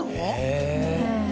へえ。